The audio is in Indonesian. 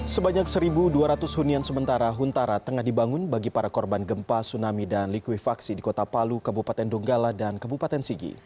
sebanyak satu dua ratus hunian sementara huntara tengah dibangun bagi para korban gempa tsunami dan likuifaksi di kota palu kabupaten donggala dan kebupaten sigi